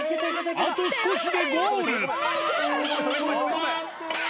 あと少しでゴール。